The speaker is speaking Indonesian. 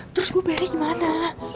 terus gue beli mana